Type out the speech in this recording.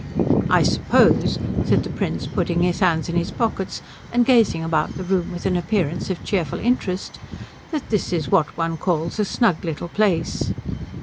"I suppose," said the Prince, putting his hands in his pockets and gazing about the room with an appearance of cheerful interest, "this is what one calls a snug little place."